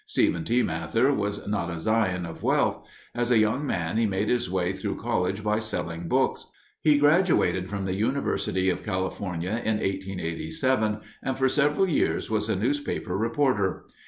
Stephen T. Mather was not a scion of wealth. As a young man, he made his way through college by selling books. He graduated from the University of California in 1887 and for several years was a newspaper reporter.